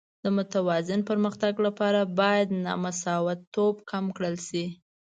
د متوازن پرمختګ لپاره باید نامساواتوب کم کړل شي.